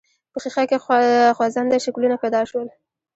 په ښيښه کې خوځنده شکلونه پيدا شول.